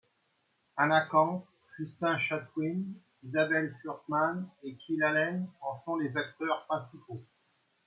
Anna Camp, Justin Chatwin, Isabelle Fuhrman et Kyle Allen en sont les acteurs principaux.